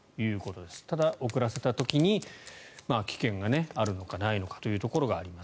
ただ、遅らせた時に危険があるのかないのかというところがあります。